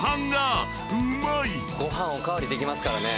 ご飯お代わりできますからね。